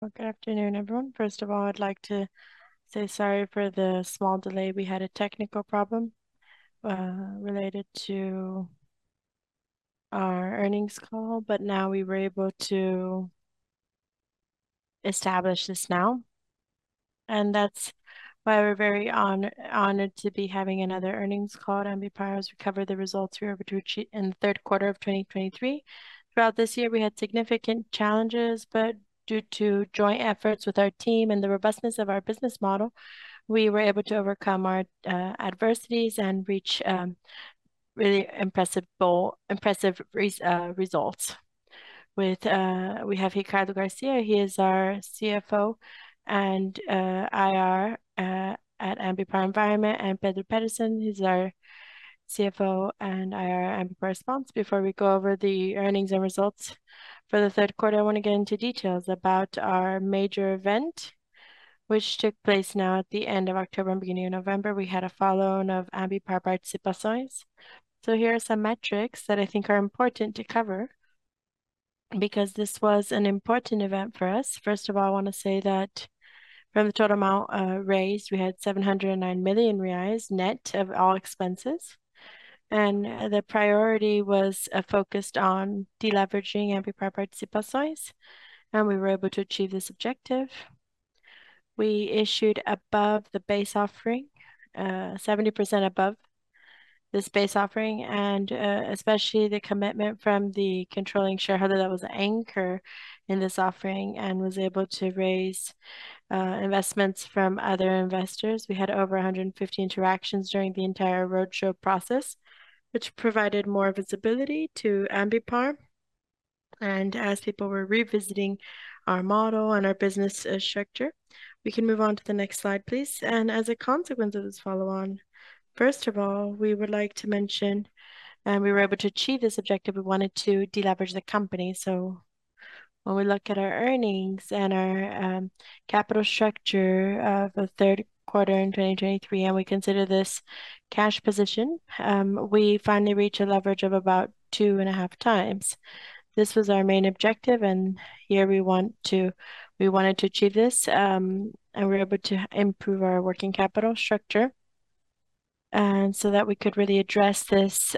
Well, good afternoon, everyone. First of all, I'd like to say sorry for the small delay. We had a technical problem related to our earnings call, but now we were able to establish this now. And that's why we're very honored to be having another earnings call at Ambipar as we cover the results we were able to achieve in the third quarter of 2023. Throughout this year, we had significant challenges, but due to joint efforts with our team and the robustness of our business model, we were able to overcome our adversities and reach really impressive results. We have Ricardo Garcia, he is our CFO and IR at Ambipar Environment, and Pedro Petersen, he's our CFO and IR Ambipar Response. Before we go over the earnings and results for the third quarter, I want to get into details about our major event, which took place now at the end of October and beginning of November. We had a follow-on of Ambipar Participações. Here are some metrics that I think are important to cover because this was an important event for us. First of all, I want to say that from the total amount raised, we had 709 million reais, net of all expenses, and the priority was focused on deleveraging Ambipar Participações, and we were able to achieve this objective. We issued above the base offering, 70% above this base offering, and especially the commitment from the controlling shareholder that was the anchor in this offering and was able to raise investments from other investors. We had over 150 interactions during the entire roadshow process, which provided more visibility to Ambipar, and as people were revisiting our model and our business structure. We can move on to the next slide, please. And as a consequence of this follow-on, first of all, we would like to mention, and we were able to achieve this objective, we wanted to deleverage the company. So when we look at our earnings and our capital structure of the third quarter in 2023, and we consider this cash position, we finally reached a leverage of about 2.5x. This was our main objective, and here we want to, we wanted to achieve this, and we were able to improve our working capital structure. That we could really address this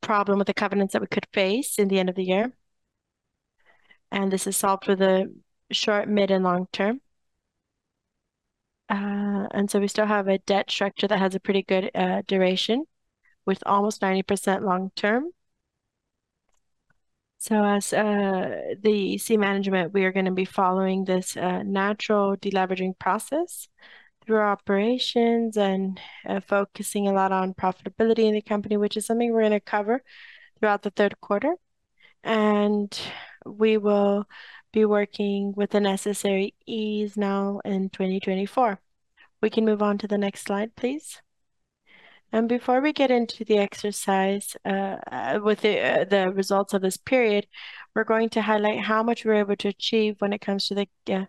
problem with the covenants that we could face in the end of the year. This is solved for the short, mid, and long term. We still have a debt structure that has a pretty good duration, with almost 90% long term. So as the C-level management, we are going to be following this natural deleveraging process through our operations and focusing a lot on profitability in the company, which is something we're going to cover throughout the third quarter. We will be working with the necessary ease now in 2024. We can move on to the next slide, please. Before we get into the exercise with the results of this period, we're going to highlight how much we were able to achieve when it comes to the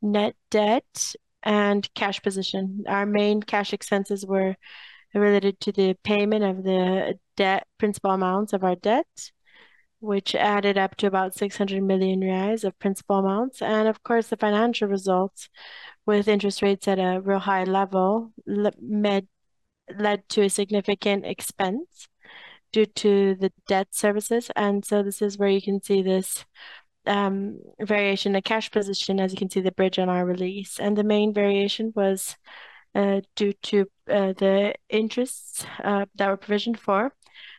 net debt and cash position. Our main cash expenses were related to the payment of the debt, principal amounts of our debt, which added up to about 600 million reais of principal amounts. Of course, the financial results with interest rates at a real high level led to a significant expense due to the debt services. This is where you can see this variation, the cash position, as you can see, the bridge on our release. The main variation was due to the interests that were provisioned for,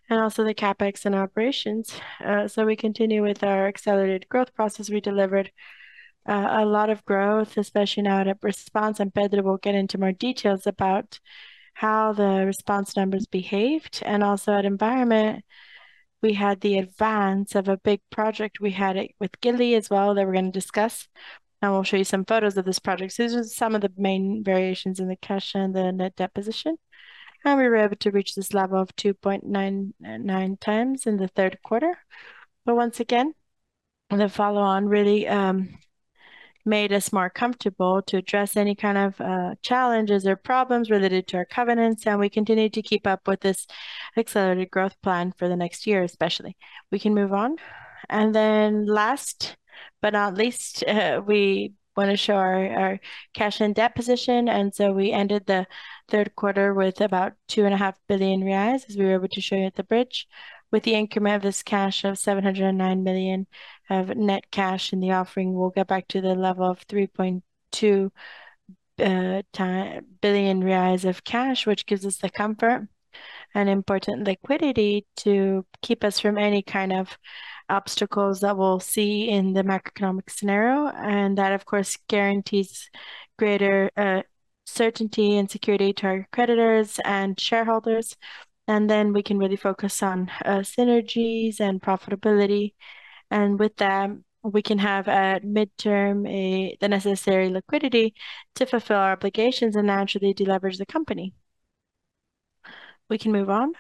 and also the CapEx and operations. We continue with our accelerated growth process. We delivered a lot of growth, especially now at Ambipar Response, and Pedro will get into more details about how the Ambipar Response numbers behaved. Also at Ambipar Environment, we had the advance of a big project. We had it with GIRI as well, that we're going to discuss, and we'll show you some photos of this project. So these are some of the main variations in the cash and the net debt position, and we were able to reach this level of 2.99x in the third quarter. But once again, the follow-on really made us more comfortable to address any kind of challenges or problems related to our covenants, and we continue to keep up with this accelerated growth plan for the next year, especially. We can move on. Then last but not least, we want to show our, our cash and debt position, and so we ended the third quarter with about 2.5 billion reais, as we were able to show you at the bridge. With the increment of this cash of 709 million of net cash in the offering, we'll get back to the level of 3.2 billion reais of cash, which gives us the comfort and important liquidity to keep us from any kind of obstacles that we'll see in the macroeconomic scenario. That, of course, guarantees greater certainty and security to our creditors and shareholders, and then we can really focus on synergies and profitability. With them, we can have, at midterm, the necessary liquidity to fulfill our obligations and naturally deleverage the company. We can move on.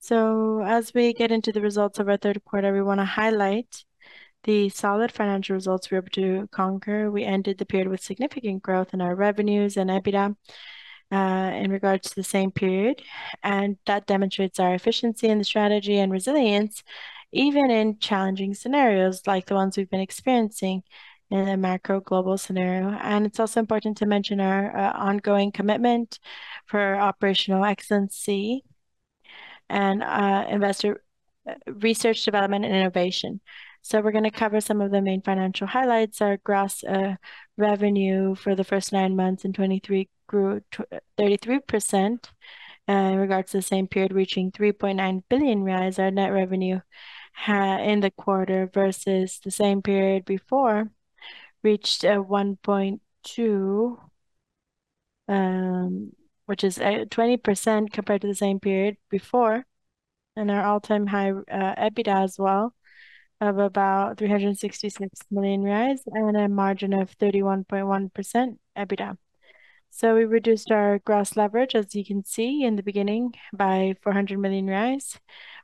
So as we get into the results of our third quarter, we want to highlight the solid financial results we were able to conquer. We ended the period with significant growth in our revenues and EBITDA in regards to the same period. And that demonstrates our efficiency in the strategy and resilience, even in challenging scenarios, like the ones we've been experiencing in the macro global scenario. And it's also important to mention our ongoing commitment for operational excellence and investor research, development, and innovation. So we're gonna cover some of the main financial highlights. Our gross revenue for the first nine months in 2023 grew 33% in regards to the same period, reaching 3.9 billion reais. Our net revenue in the quarter versus the same period before reached 1.2 billion, which is 20% compared to the same period before, and our all-time high EBITDA as well, of about 366 million reais and a margin of 31.1% EBITDA. So we reduced our gross leverage, as you can see in the beginning, by 400 million.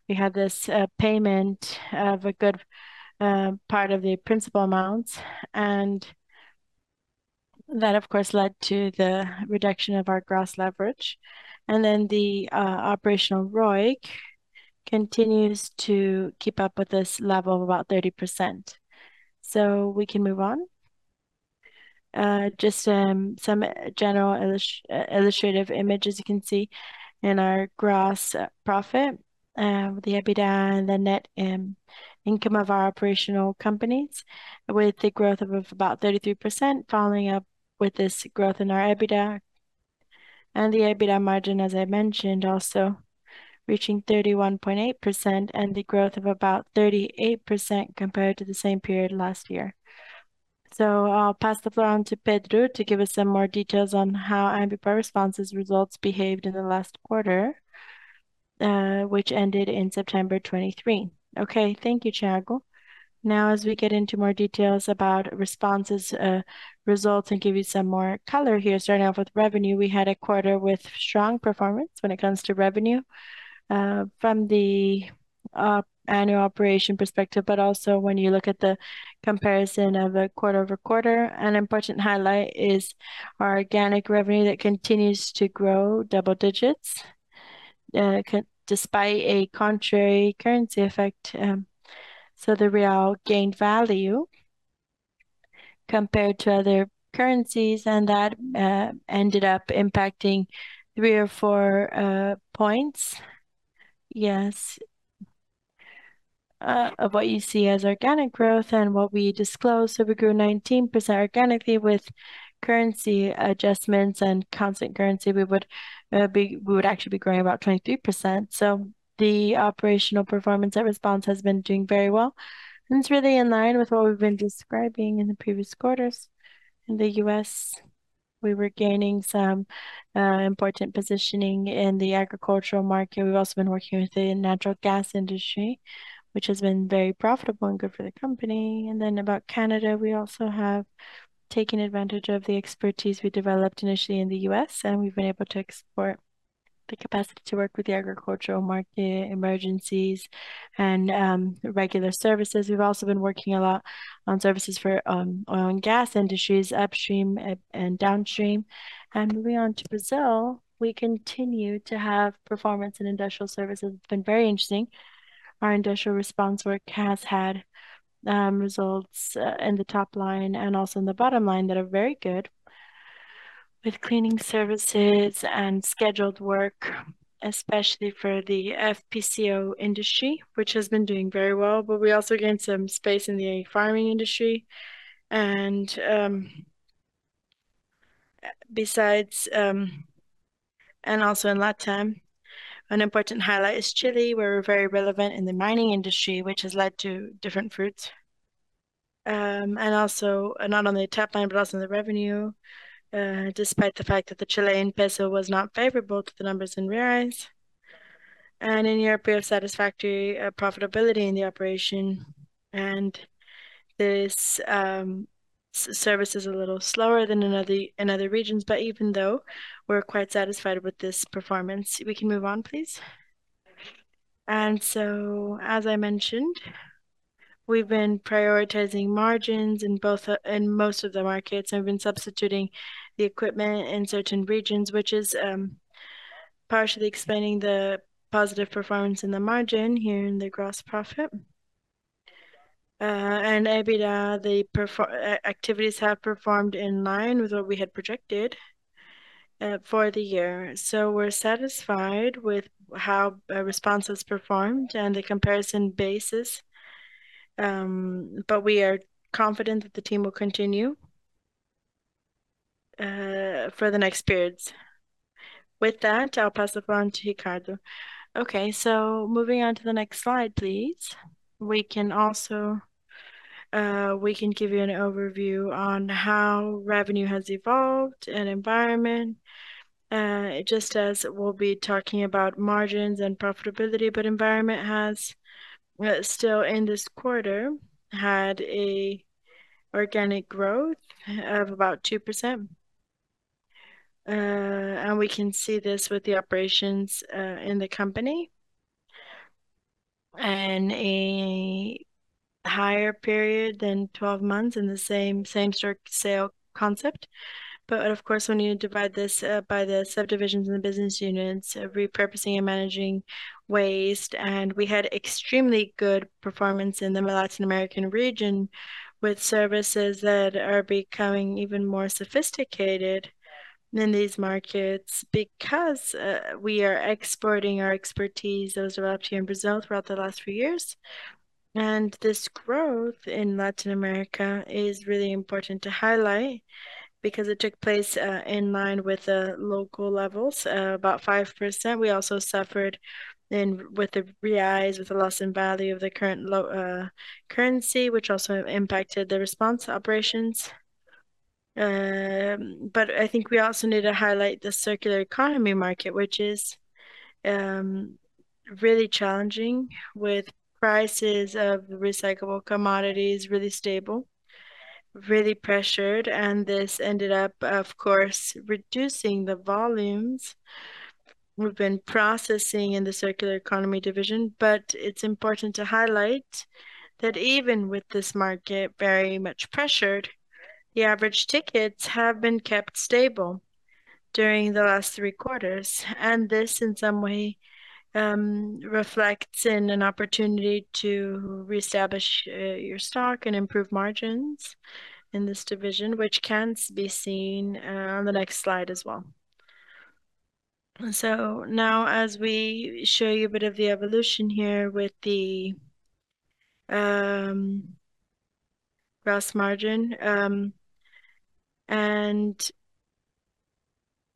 We had this payment of a good part of the principal amounts, and that, of course, led to the reduction of our gross leverage. And then the operational ROIC continues to keep up with this level of about 30%. So we can move on. Just some general illustrative image, as you can see, in our gross profit, the EBITDA and the net income of our operational companies, with the growth of about 33%, following up with this growth in our EBITDA. And the EBITDA margin, as I mentioned, also reaching 31.8%, and the growth of about 38% compared to the same period last year. So I'll pass the floor on to Pedro to give us some more details on how Ambipar Response's results behaved in the last quarter, which ended in September 2023. Okay. Thank you, Thiago. Now, as we get into more details about Ambipar Response's results and give you some more color here, starting off with revenue, we had a quarter with strong performance when it comes to revenue from the annual operation perspective, but also when you look at the comparison of a quarter-over-quarter. An important highlight is our organic revenue that continues to grow double digits despite a contrary currency effect. So the real gained value compared to other currencies, and that ended up impacting 3 or 4 points. Yes, of what you see as organic growth and what we disclose. So we grew 19% organically. With currency adjustments and constant currency, we would be-- we would actually be growing about 23%. So the operational performance at Ambipar Response has been doing very well, and it's really in line with what we've been describing in the previous quarters. In the U.S., we were gaining some important positioning in the agricultural market. We've also been working with the natural gas industry, which has been very profitable and good for the company. And then about Canada, we also have taken advantage of the expertise we developed initially in the U.S., and we've been able to export the capacity to work with the agricultural market emergencies and regular services. We've also been working a lot on services for oil and gas industries, upstream and downstream. And moving on to Brazil, we continue to have performance in industrial services. It's been very interesting. Our industrial response work has had results in the top line and also in the bottom line that are very good, with cleaning services and scheduled work, especially for the FPSO industry, which has been doing very well. But we also gained some space in the farming industry. And also in LatAm, an important highlight is Chile, where we're very relevant in the mining industry, which has led to different fruits. And also not only top line, but also in the revenue, despite the fact that the Chilean peso was not favorable to the numbers in reais. And in Europe, we have satisfactory profitability in the operation, and this service is a little slower than in other regions, but even though, we're quite satisfied with this performance. We can move on, please. And so, as I mentioned, we've been prioritizing margins in both the in most of the markets, and we've been substituting the equipment in certain regions, which is partially explaining the positive performance in the margin here in the gross profit. And EBITDA, the activities have performed in line with what we had projected for the year. So we're satisfied with how Ambipar Response has performed and the comparison basis, but we are confident that the team will continue for the next periods. With that, I'll pass the floor on to Ricardo. Okay, so moving on to the next slide, please. We can also give you an overview on how revenue has evolved in Ambipar Environment just as we'll be talking about margins and profitability. But Ambipar Environment, still in this quarter, had an organic growth of about 2%. And we can see this with the operations in the company. And a higher period than 12 months in the same-store sales concept. But of course, when you divide this by the subdivisions in the business units of repurposing and managing waste, and we had extremely good performance in the Latin American region, with services that are becoming even more sophisticated in these markets. Because we are exporting our expertise that was developed here in Brazil throughout the last few years. And this growth in Latin America is really important to highlight, because it took place in line with the local levels about 5%. We also suffered with the reais, with the loss in value of the current currency, which also impacted the response operations. But I think we also need to highlight the circular economy market, which is really challenging, with prices of recyclable commodities really stable, really pressured, and this ended up, of course, reducing the volumes we've been processing in the circular economy division. But it's important to highlight that even with this market very much pressured, the average tickets have been kept stable during the last three quarters, and this, in some way, reflects in an opportunity to reestablish your stock and improve margins in this division, which can be seen on the next slide as well. So now, as we show you a bit of the evolution here with the gross margin, and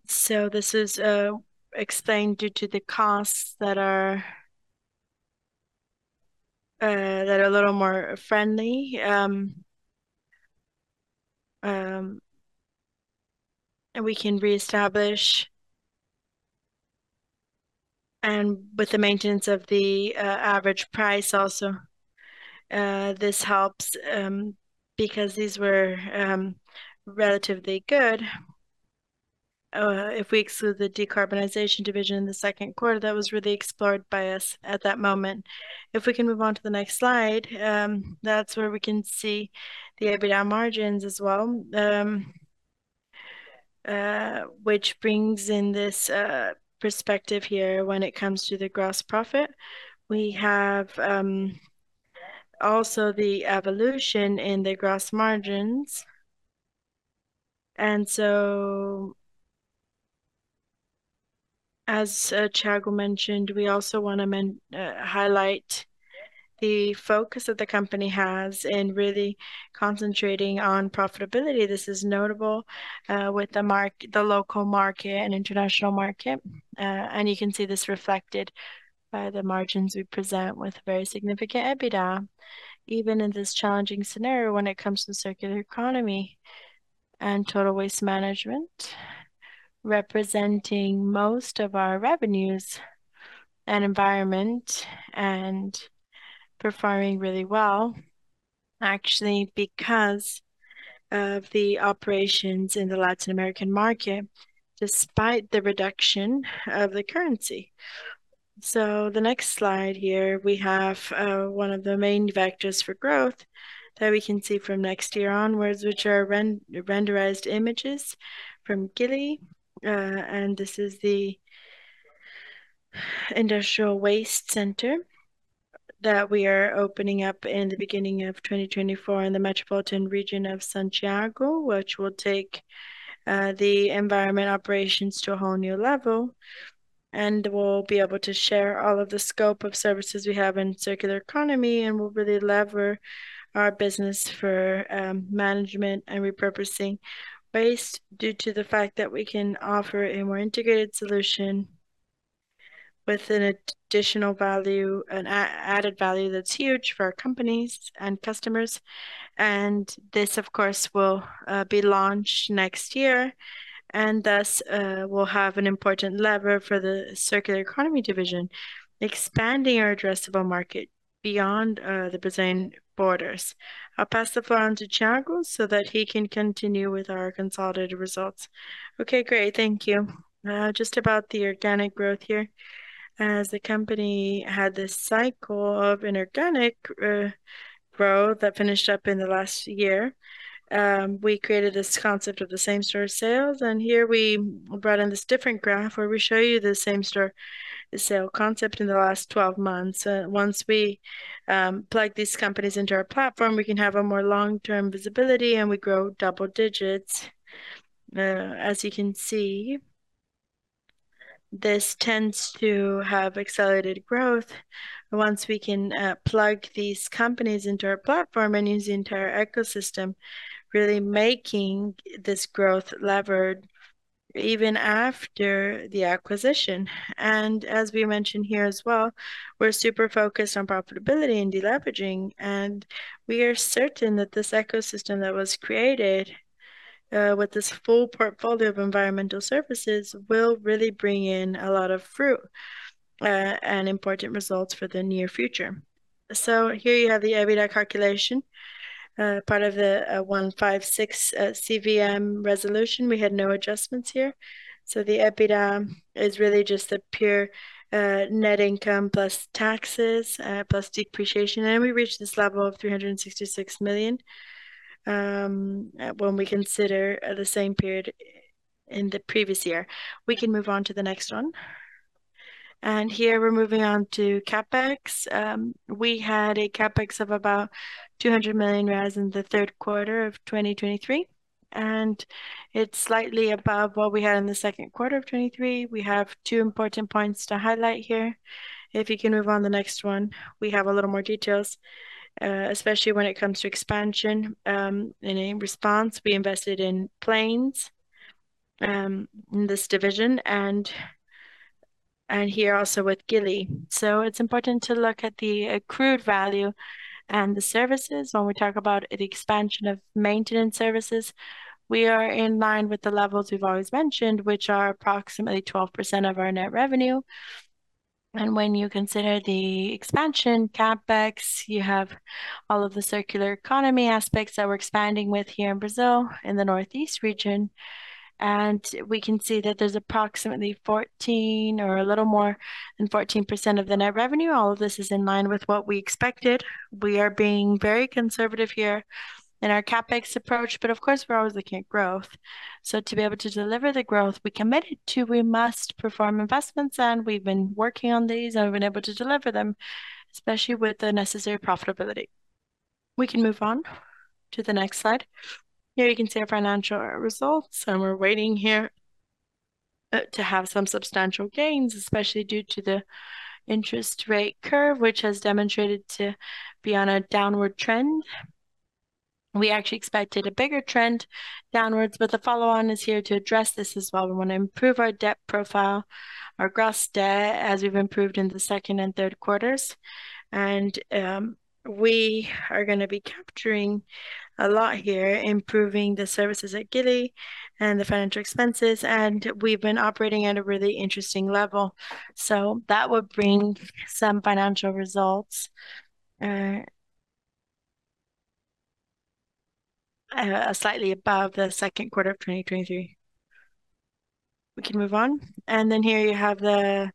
so this is explained due to the costs that are a little more friendly. And we can reestablish, and with the maintenance of the average price also, this helps, because these were relatively good. If we exclude the decarbonization division in the second quarter, that was really explored by us at that moment. If we can move on to the next slide, that's where we can see the EBITDA margins as well, which brings in this perspective here when it comes to the gross profit. We have also the evolution in the gross margins. As Thiago mentioned, we also want to mention the focus that the company has in really concentrating on profitability. This is notable with the market, the local market and international market. And you can see this reflected by the margins we present with very significant EBITDA, even in this challenging scenario when it comes to circular economy and total waste management, representing most of our revenues in Ambipar Environment, and performing really well, actually, because of the operations in the Latin American market, despite the reduction of the currency. So the next slide here, we have one of the main vectors for growth that we can see from next year onwards, which are rendered images from GIRI. And this is the industrial waste center that we are opening up in the beginning of 2024 in the metropolitan region of Santiago, which will take the environment operations to a whole new level. And we'll be able to share all of the scope of services we have in circular economy, and we'll really lever our business for management and repurposing, based due to the fact that we can offer a more integrated solution with an additional value, added value that's huge for our companies and customers. And this, of course, will be launched next year, and thus will have an important lever for the circular economy division, expanding our addressable market beyond the Brazilian borders. I'll pass the floor on to Thiago so that he can continue with our consolidated results. Okay, great. Thank you. Just about the organic growth here. As the company had this cycle of inorganic growth that finished up in the last year, we created this concept of the same-store sales, and here we brought in this different graph, where we show you the same-store sales concept in the last 12 months. Once we plug these companies into our platform, we can have a more long-term visibility, and we grow double digits. As you can see, this tends to have accelerated growth once we can plug these companies into our platform and use the entire ecosystem, really making this growth levered even after the acquisition. As we mentioned here as well, we're super focused on profitability and deleveraging, and we are certain that this ecosystem that was created with this full portfolio of environmental services will really bring in a lot of fruit and important results for the near future. So here you have the EBITDA calculation, part of the CVM Resolution 156. We had no adjustments here. So the EBITDA is really just the pure net income plus taxes plus depreciation, and we reached this level of 366 million when we consider the same period in the previous year. We can move on to the next one. And here we're moving on to CapEx. We had a CapEx of about BRL 200 million in the third quarter of 2023, and it's slightly above what we had in the second quarter of 2023. We have two important points to highlight here. If you can move on the next one, we have a little more details, especially when it comes to expansion. In Ambipar Response, we invested in planes, in this division and here also with GIRI. So it's important to look at the accrued value and the services. When we talk about the expansion of maintenance services, we are in line with the levels we've always mentioned, which are approximately 12% of our net revenue. When you consider the expansion CapEx, you have all of the circular economy aspects that we're expanding with here in Brazil, in the northeast region, and we can see that there's approximately 14 or a little more than 14% of the net revenue. All of this is in line with what we expected. We are being very conservative here in our CapEx approach, but of course, we're always looking at growth. So to be able to deliver the growth we committed to, we must perform investments, and we've been working on these, and we've been able to deliver them, especially with the necessary profitability. We can move on to the next slide. Here you can see our financial results, and we're waiting here to have some substantial gains, especially due to the interest rate curve, which has demonstrated to be on a downward trend. We actually expected a bigger trend downwards, but the follow-on is here to address this as well. We want to improve our debt profile, our gross debt, as we've improved in the second and third quarters. And, we are gonna be capturing a lot here, improving the services at GIRI and the financial expenses, and we've been operating at a really interesting level. So that would bring some financial results, slightly above the second quarter of 2023. We can move on. Then here you have the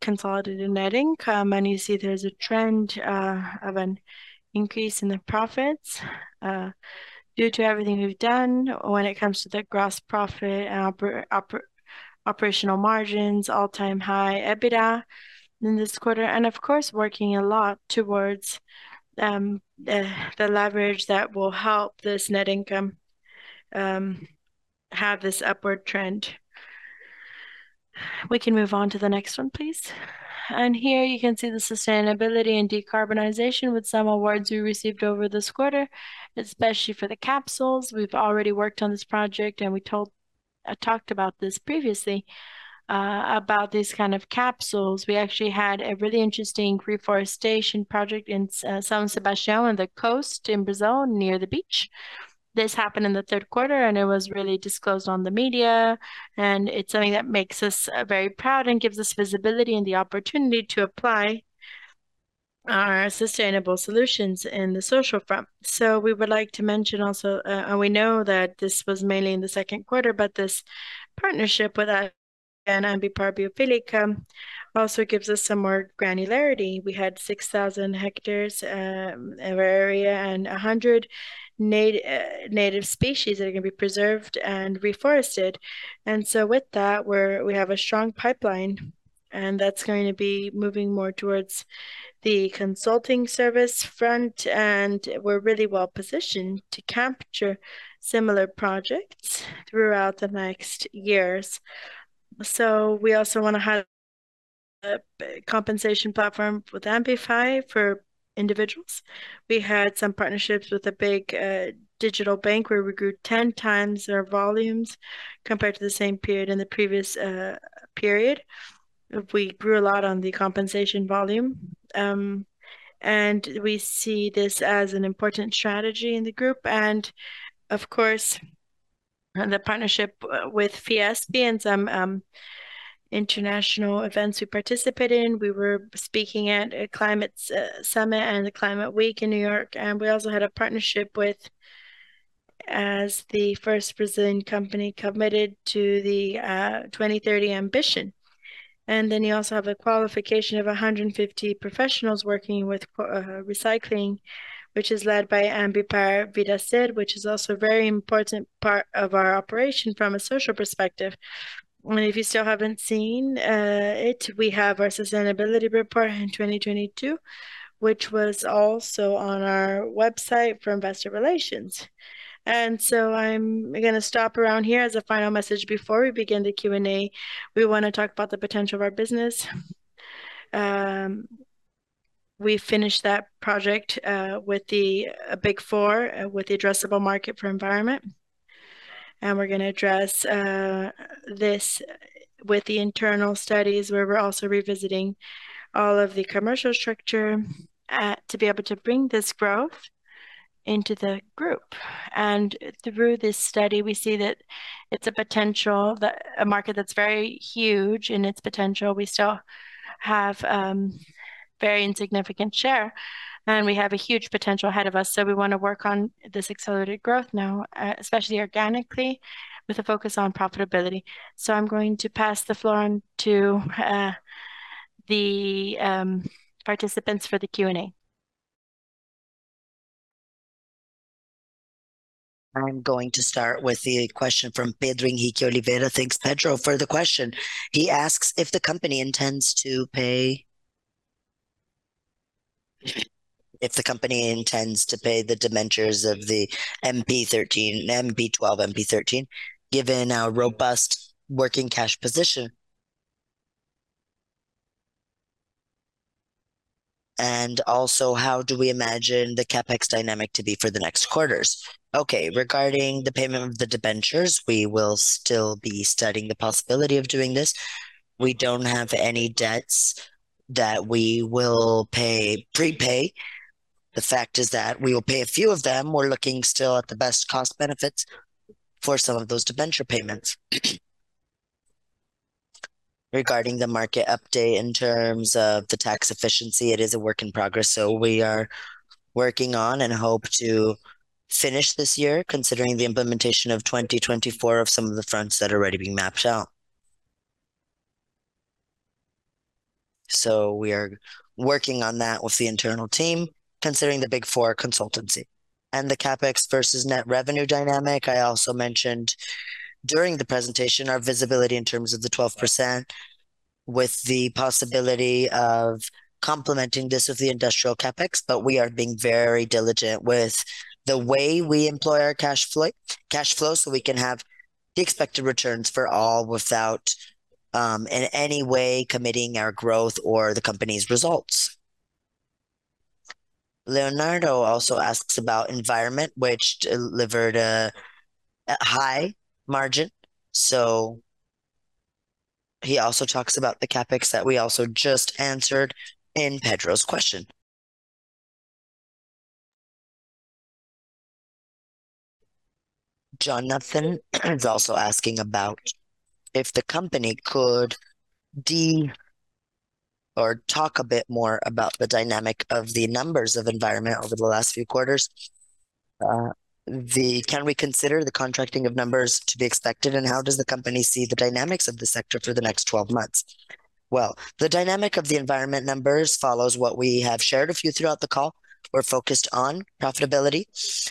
consolidated net income, and you see there's a trend of an increase in the profits due to everything we've done when it comes to the gross profit and operational margins, all-time high EBITDA in this quarter, and of course, working a lot towards the leverage that will help this net income have this upward trend. We can move on to the next one, please. Here you can see the sustainability and decarbonization with some awards we received over this quarter, especially for the capsules. We've already worked on this project, and I talked about this previously about these kind of capsules. We actually had a really interesting reforestation project in São Sebastião, on the coast in Brazil, near the beach. This happened in the third quarter, and it was really disclosed on the media, and it's something that makes us very proud and gives us visibility and the opportunity to apply our sustainable solutions in the social front. So we would like to mention also, and we know that this was mainly in the second quarter, but this partnership with Ambipar Biofílica also gives us some more granularity. We had 6,000 hectares of area and 100 native species that are going to be preserved and reforested. And so with that, we have a strong pipeline, and that's going to be moving more towards the consulting service front, and we're really well positioned to capture similar projects throughout the next years. So we also want to have a compensation platform with Ambipar for individuals. We had some partnerships with a big digital bank, where we grew 10 times our volumes compared to the same period in the previous period. We grew a lot on the compensation volume, and we see this as an important strategy in the group. Of course, the partnership with FIESP and some international events we participated in. We were speaking at Brazil Climate Summit and the Climate Week in New York, and we also had a partnership with... as the first Brazilian company committed to the 2030 ambition. We also have a qualification of 150 professionals working with recycling, which is led by Ambipar ViraSer, which is also a very important part of our operation from a social perspective. If you still haven't seen it, we have our sustainability report in 2022, which was also on our website for investor relations. So I'm gonna stop around here as a final message. Before we begin the Q&A, we want to talk about the potential of our business. We finished that project with the Big Four with the addressable market for environment. We're gonna address this with the internal studies, where we're also revisiting all of the commercial structure to be able to bring this growth into the group. Through this study, we see that it's a potential, a market that's very huge in its potential. We still have very insignificant share, and we have a huge potential ahead of us. So we want to work on this accelerated growth now, especially organically, with a focus on profitability. So I'm going to pass the floor on to the participants for the Q&A. I'm going to start with the question from Pedro Henrique Oliveira. Thanks, Pedro, for the question. He asks: If the company intends to pay the debentures of the AMBP13 and AMBP12, given our robust working cash position? And also, how do we imagine the CapEx dynamic to be for the next quarters? Okay, regarding the payment of the debentures, we will still be studying the possibility of doing this. We don't have any debts that we will pay, prepay. The fact is that we will pay a few of them. We're looking still at the best cost benefits for some of those debenture payments. Regarding the market update in terms of the tax efficiency, it is a work in progress, so we are working on and hope to finish this year, considering the implementation of 2024 of some of the fronts that are already being mapped out. So we are working on that with the internal team, considering the Big Four consultancy. And the CapEx versus net revenue dynamic, I also mentioned during the presentation our visibility in terms of the 12%, with the possibility of complementing this with the industrial CapEx. But we are being very diligent with the way we employ our cash flow, so we can have the expected returns for all, without in any way committing our growth or the company's results. Leonardo also asks about Ambipar Environment, which delivered a high margin, so he also talks about the CapEx that we also just answered in Pedro's question. Jonathan is also asking about if the company could or talk a bit more about the dynamic of the numbers of Ambipar Environment over the last few quarters. Can we consider the contracting of numbers to be expected, and how does the company see the dynamics of the sector for the next 12 months? Well, the dynamic of the Ambipar Environment numbers follows what we have shared with you throughout the call. We're focused on profitability,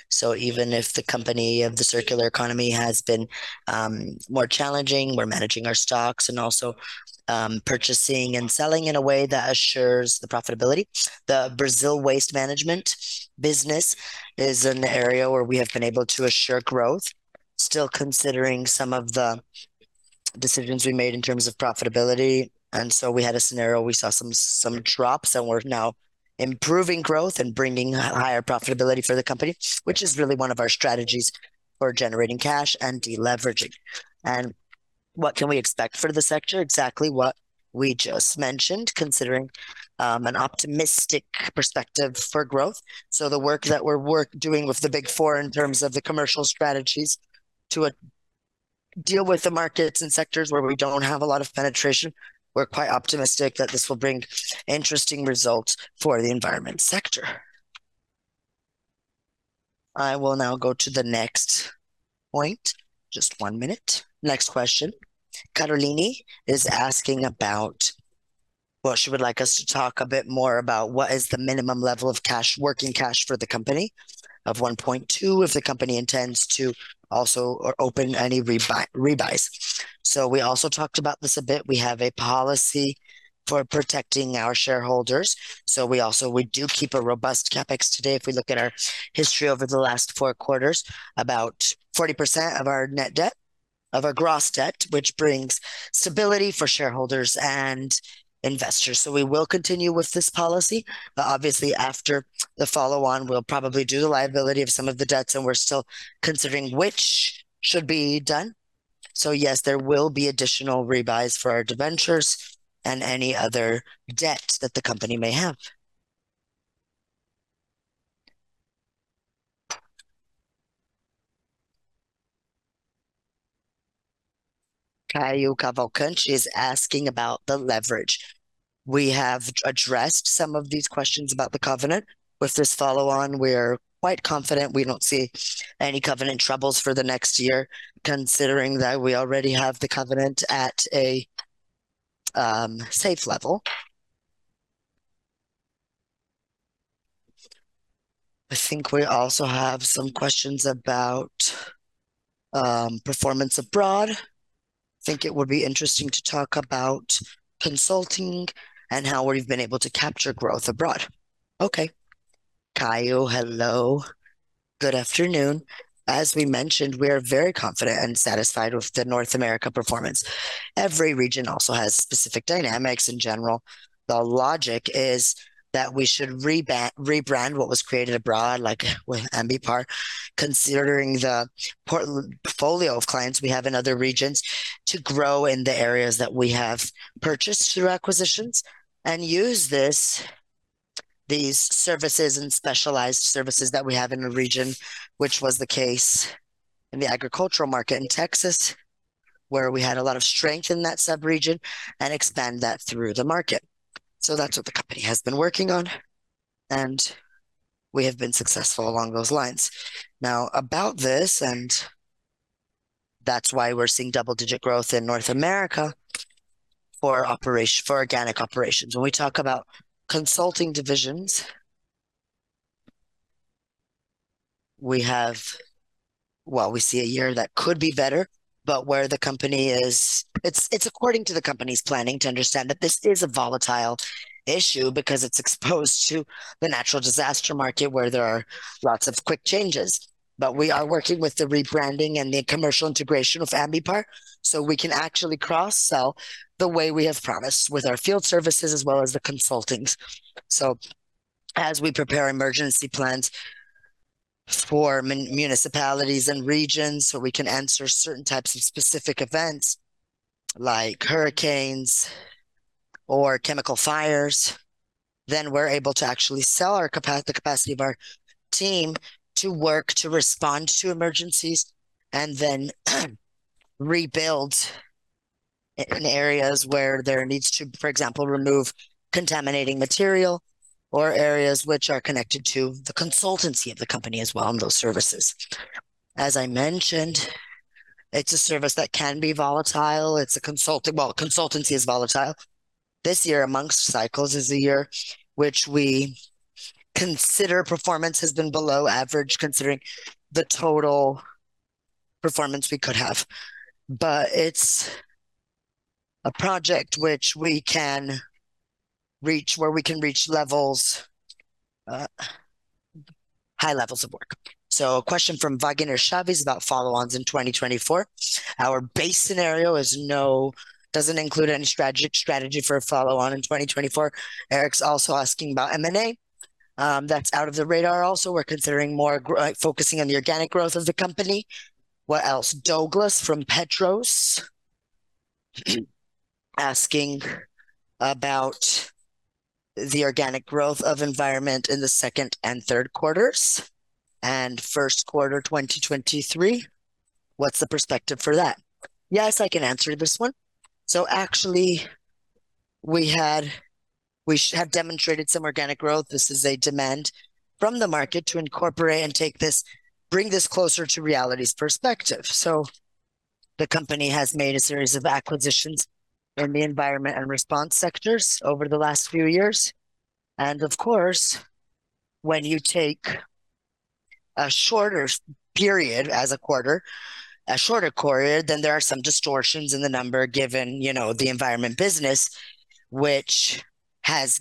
so even if the company of the circular economy has been more challenging, we're managing our stocks and also purchasing and selling in a way that assures the profitability. The Brazil Waste Management business is an area where we have been able to assure growth, still considering some of the decisions we made in terms of profitability, and so we had a scenario. We saw some drops, and we're now improving growth and bringing higher profitability for the company, which is really one of our strategies for generating cash and deleveraging. What can we expect for the sector? Exactly what we just mentioned, considering an optimistic perspective for growth. So the work that we're doing with the Big Four in terms of the commercial strategies to deal with the markets and sectors where we don't have a lot of penetration, we're quite optimistic that this will bring interesting results for the environment sector. I will now go to the next point. Just one minute. Next question. Carolini is asking about— Well, she would like us to talk a bit more about what is the minimum level of cash, working cash for the company of 1.2 billion, if the company intends to also or open any revise. So we also talked about this a bit. We have a policy for protecting our shareholders, so we also, we do keep a robust CapEx. Today, if we look at our history over the last four quarters, about 40% of our net debt, of our gross debt, which brings stability for shareholders and investors. So we will continue with this policy, but obviously, after the follow-on, we'll probably do the liability of some of the debts, and we're still considering which should be done. So yes, there will be additional revise for our debentures and any other debt that the company may have. Caio Cavalcanti is asking about the leverage. We have addressed some of these questions about the covenant. With this follow-on, we're quite confident we don't see any covenant troubles for the next year, considering that we already have the covenant at a safe level. I think we also have some questions about performance abroad. I think it would be interesting to talk about consulting and how we've been able to capture growth abroad. Okay. Caio, hello. Good afternoon. As we mentioned, we are very confident and satisfied with the North America performance. Every region also has specific dynamics. In general, the logic is that we should rebrand what was created abroad, like with Ambipar, considering the portfolio of clients we have in other regions, to grow in the areas that we have purchased through acquisitions. Use this, these services and specialized services that we have in the region, which was the case in the agricultural market in Texas, where we had a lot of strength in that sub-region, and expand that through the market. So that's what the company has been working on, and we have been successful along those lines. Now, about this, and that's why we're seeing double-digit growth in North America for organic operations. When we talk about consulting divisions, well, we see a year that could be better, but where the company is. It's according to the company's planning to understand that this is a volatile issue because it's exposed to the natural disaster market, where there are lots of quick changes. But we are working with the rebranding and the commercial integration of Ambipar, so we can actually cross-sell the way we have promised with our field services as well as the consultings. So as we prepare emergency plans for municipalities and regions, so we can answer certain types of specific events like hurricanes or chemical fires, then we're able to actually sell our capacity of our team to work, to respond to emergencies, and then rebuild in areas where there needs to, for example, remove contaminating material or areas which are connected to the consultancy of the company as well, and those services. As I mentioned, it's a service that can be volatile. It's a consultancy. Well, consultancy is volatile. This year, among cycles, is a year which we consider performance has been below average, considering the total performance we could have. But it's a project which we can reach where we can reach levels, high levels of work. So a question from Vagner Xavier about follow-ons in 2024. Our base scenario is no, doesn't include any strategic strategy for a follow-on in 2024. Eric's also asking about M&A. That's out of the radar also. We're considering more, focusing on the organic growth of the company. What else? Douglas from Petros asking about the organic growth of Ambipar Environment in the second and third quarters, and first quarter 2023. What's the perspective for that? Yes, I can answer this one. So actually, we have demonstrated some organic growth. This is a demand from the market to incorporate and bring this closer to reality's perspective. So the company has made a series of acquisitions in the environment and response sectors over the last few years, and of course, when you take a shorter period, as a quarter, a shorter quarter, then there are some distortions in the number, given, you know, the Environment business. Which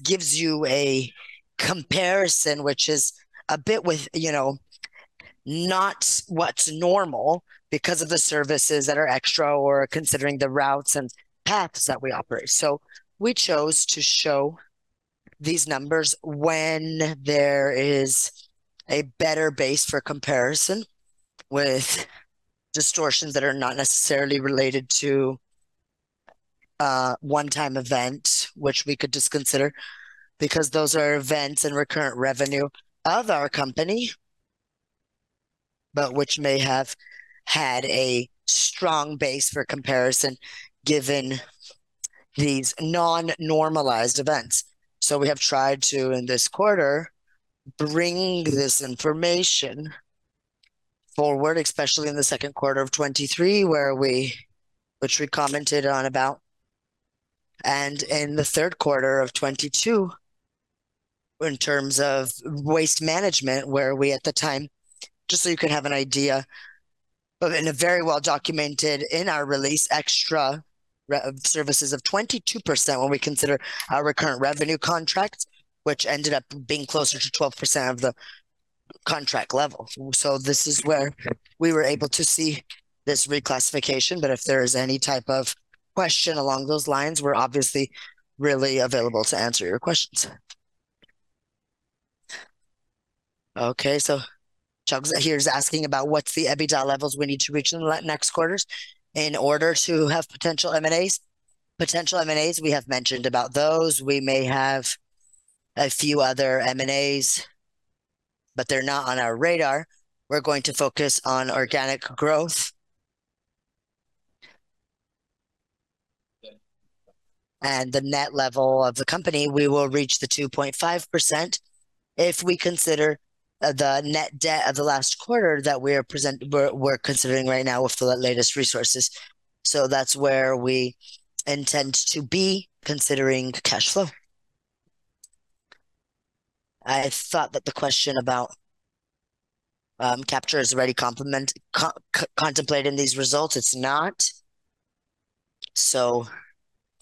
gives you a comparison, which is a bit with, you know, not what's normal because of the services that are extra or considering the routes and paths that we operate. So we chose to show these numbers when there is a better base for comparison, with distortions that are not necessarily related to one-time event, which we could just consider, because those are events and recurrent revenue of our company, but which may have had a strong base for comparison, given these non-normalized events. So we have tried to, in this quarter, bring this information forward, especially in the second quarter of 2023, where we—which we commented on about. And in the third quarter of 2022, in terms of waste management, where we, at the time, just so you can have an idea, but in a very well documented in our release, extra re—services of 22% when we consider our recurrent revenue contracts, which ended up being closer to 12% of the contract level. So this is where we were able to see this reclassification, but if there is any type of question along those lines, we're obviously really available to answer your questions. Okay, so Chuck here is asking about what's the EBITDA levels we need to reach in the next quarters in order to have potential M&As? Potential M&As, we have mentioned about those. We may have a few other M&As, but they're not on our radar. We're going to focus on organic growth. And the net level of the company, we will reach the 2.5% if we consider the net debt of the last quarter that we're considering right now with the latest resources. So that's where we intend to be, considering the cash flow. I thought that the question about capture is already contemplated in these results. It's not, so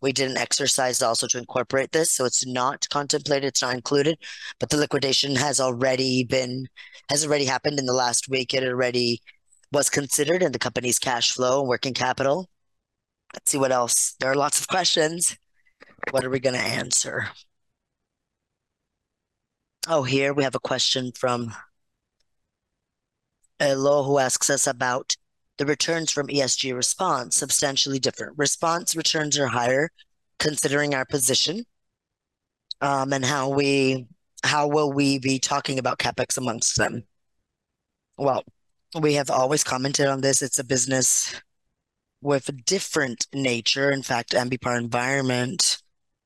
we did an exercise also to incorporate this. So it's not contemplated, it's not included, but the liquidation has already happened in the last week. It already was considered in the company's cash flow and working capital. Let's see what else. There are lots of questions. What are we going to answer? Oh, here we have a question from Elo, who asks us about the returns from Ambipar Response. Substantially different. Ambipar Response returns are higher considering our position, and how will we be talking about CapEx amongst them? Well, we have always commented on this. It's a business with a different nature. In fact, Ambipar Environment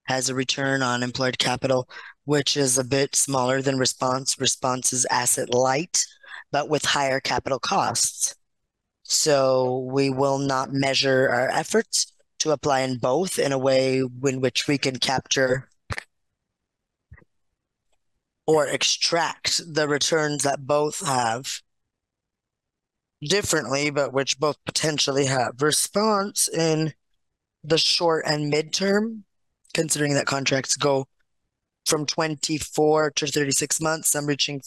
has a return on employed capital, which is a bit smaller than Ambipar Response. Ambipar Response is asset light, but with higher capital costs. So we will not measure our efforts to apply in both in a way in which we can capture or extract the returns that both have differently, but which both potentially have. Ambipar Response in the short and midterm, considering that contracts go from 24 to 36 months, some reaching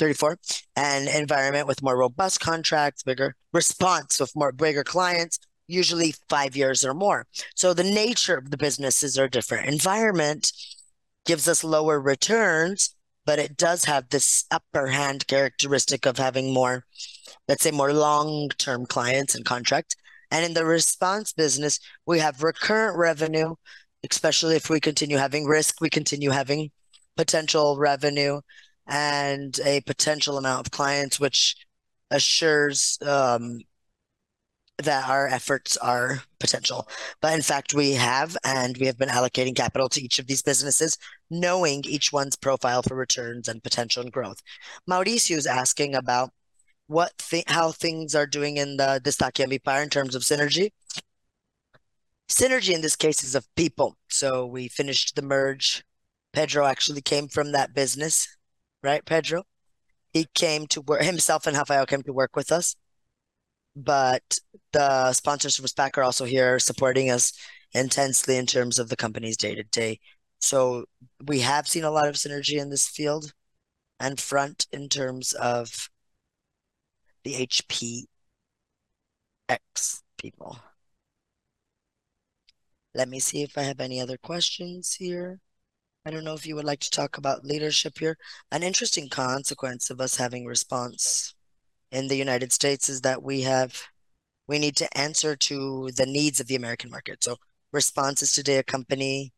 34, and Ambipar Environment with more robust bigger contracts, Ambipar Response with more bigger clients, usually five years or more. So the nature of the businesses are different. Ambipar Environment gives us lower returns, but it does have this upper hand characteristic of having more, let's say, more long-term clients and contracts. And in the Ambipar Response business, we have recurrent revenue. Especially if we continue having risk, we continue having potential revenue and a potential amount of clients, which assures that our efforts are potential. But in fact, we have, and we have been allocating capital to each of these businesses, knowing each one's profile for returns and potential and growth. Mauricio is asking about how things are doing in the Ambipar Response de-SPAC in terms of synergy. Synergy in this case is of people, so we finished the merge. Pedro actually came from that business, right, Pedro? He came to work, himself and Rafael came to work with us, but the sponsors from SPAC are also here supporting us intensely in terms of the company's day-to-day. So we have seen a lot of synergy in this field and front in terms of the HPX people. Let me see if I have any other questions here. I don't know if you would like to talk about leadership here. An interesting consequence of us having Ambipar Response in the United States is that we have, we need to answer to the needs of the American market. So Ambipar Response is today a company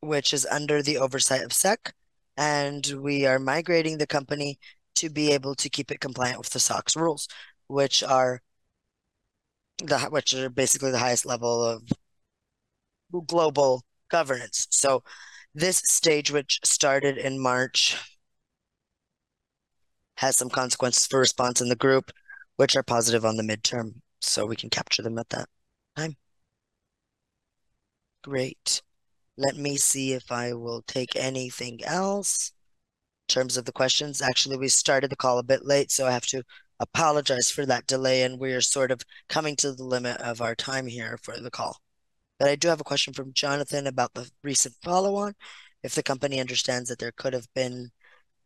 which is under the oversight of SEC, and we are migrating the company to be able to keep it compliant with the SOX rules, which are the, which are basically the highest level of global governance. So this stage, which started in March, has some consequences for Ambipar Response in the Group, which are positive on the midterm, so we can capture them at that time. Great. Let me see if I will take anything else in terms of the questions. Actually, we started the call a bit late, so I have to apologize for that delay, and we are sort of coming to the limit of our time here for the call. But I do have a question from Jonathan about the recent follow-on, if the company understands that there could have been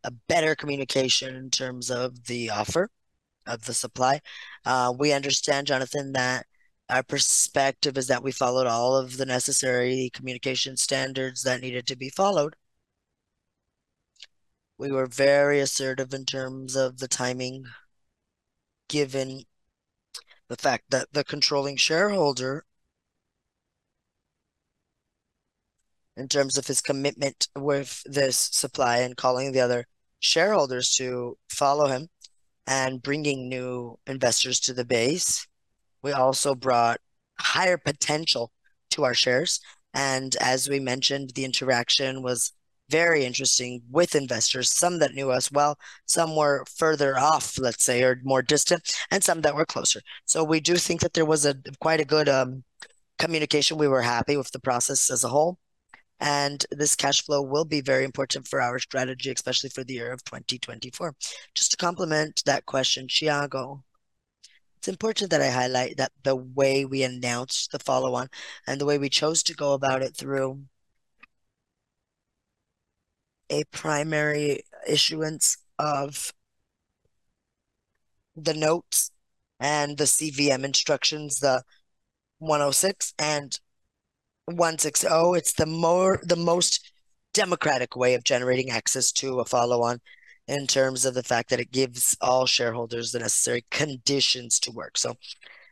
a better communication in terms of the offer of the supply. We understand, Jonathan, that our perspective is that we followed all of the necessary communication standards that needed to be followed. We were very assertive in terms of the timing, given the fact that the controlling shareholder, in terms of his commitment with this supply and calling the other shareholders to follow him and bringing new investors to the base. We also brought higher potential to our shares, and as we mentioned, the interaction was very interesting with investors. Some that knew us well, some were further off, let's say, or more distant, and some that were closer. So we do think that there was a quite a good communication. We were happy with the process as a whole, and this cash flow will be very important for our strategy, especially for the year of 2024. Just to complement that question, Tiago, it's important that I highlight that the way we announced the follow-on and the way we chose to go about it through a primary issuance of the notes and the CVM Resolutions 160 and 106, it's the most democratic way of generating access to a follow-on, in terms of the fact that it gives all shareholders the necessary conditions to work. So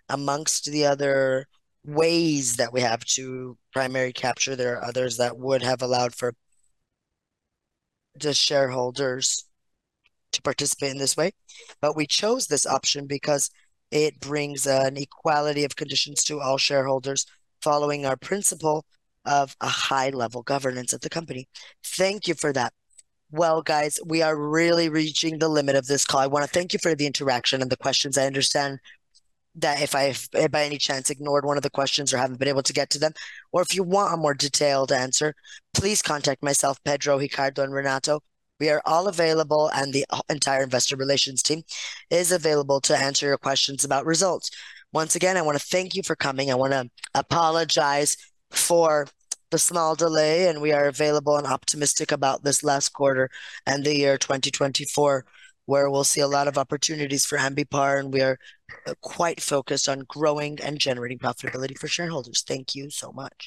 amongst the other ways that we have to primary capture, there are others that would have allowed for the shareholders to participate in this way. But we chose this option because it brings an equality of conditions to all shareholders, following our principle of a high-level governance of the company. Thank you for that. Well, guys, we are really reaching the limit of this call. I want to thank you for the interaction and the questions. I understand that if I've, by any chance, ignored one of the questions or haven't been able to get to them, or if you want a more detailed answer, please contact myself, Pedro, Ricardo, and Renato. We are all available, and the entire investor relations team is available to answer your questions about results. Once again, I want to thank you for coming. I want to apologize for the small delay, and we are available and optimistic about this last quarter and the year 2024, where we'll see a lot of opportunities for Ambipar, and we are quite focused on growing and generating profitability for shareholders. Thank you so much.